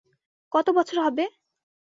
কত বছর হবে?